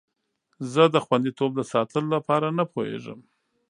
زه د خوندیتوب د ساتلو لپاره نه پوهیږم.